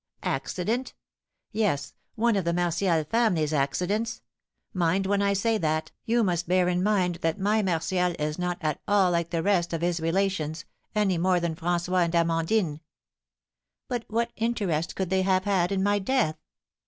"Accident! Yes, one of the Martial family's accidents; mind, when I say that, you must bear in mind that my Martial is not at all like the rest of his relations, any more than François and Amandine." "But what interest could they have had in my death?"